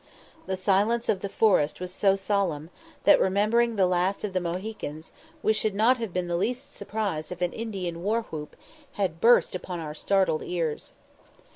The silence of the forest was so solemn, that, remembering the last of the Mohicans, we should not have been the least surprised if an Indian war whoop had burst upon our startled ears.